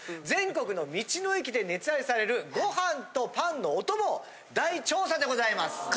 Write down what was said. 全国の道の駅で熱愛されるご飯とパンのお供を大調査でございます。